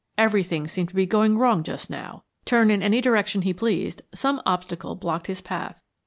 Everything seemed to be going wrong just now; turn in any direction he pleased some obstacle blocked his path.